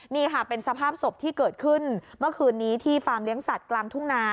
นี่ค่ะเป็นสภาพศพที่เกิดขึ้นเมื่อคืนนี้ที่ฟาร์มเลี้ยงสัตว์กลางทุ่งนา